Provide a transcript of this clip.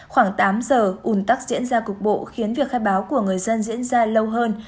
khoảng tám giờ ủn tắc diễn ra cục bộ khiến việc khai báo của người dân diễn ra lâu hơn